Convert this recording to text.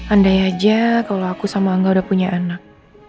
andai aja kalau aku sama angga udah punya anak